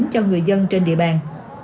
cho người dân trên địa bàn